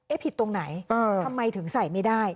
ผิดตรงไหนทำไมถึงใส่ไม่ได้